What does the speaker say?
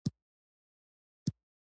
ګل حمید خان يو ماشوم له وژل کېدو وژغوره